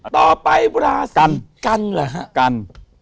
ต่อไปราศีกรรม